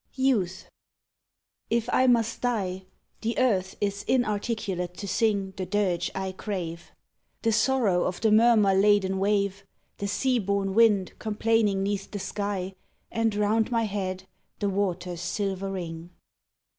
YOUTH IF I must die, The earth is inarticulate to sing The dirge I crave : The sorrow of the murmur laden wave, The sea born wind complaining 'neath the sky, And round my head the waters' silver ring.